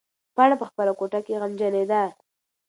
پاڼه په خپله کوټه کې غمجنېده.